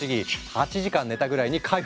８時間寝たぐらいに回復。